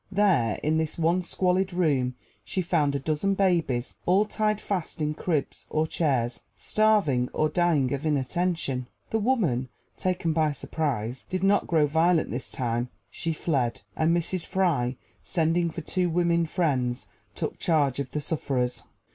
There, in this one squalid room, she found a dozen babies, all tied fast in cribs or chairs, starving, or dying of inattention. The woman, taken by surprise, did not grow violent this time: she fled, and Mrs. Fry, sending for two women Friends, took charge of the sufferers.